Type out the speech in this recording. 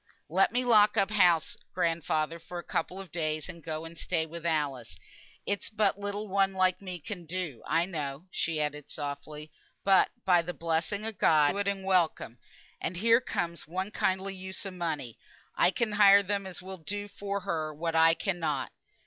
"Let me lock up house, grandfather, for a couple of days, and go and stay with Alice. It's but little one like me can do, I know" (she added softly); "but, by the blessing o' God, I'll do it and welcome; and here comes one kindly use o' money, I can hire them as will do for her what I cannot.